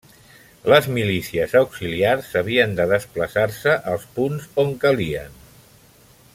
Les milícies auxiliars havien de desplaçar-se als punts on calien.